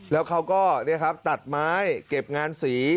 แล้วเขาก็ตัดไม้เก็บงานสี